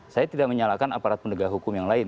saya tidak menyalahkan aparat penegak hukum yang lain